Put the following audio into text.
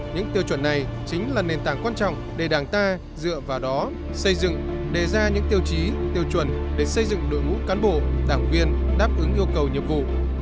những tiêu chuẩn này chính là nền tảng quan trọng để đảng ta dựa vào đó xây dựng đề ra những tiêu chí tiêu chuẩn để xây dựng đội ngũ cán bộ đảng viên đáp ứng yêu cầu nhiệm vụ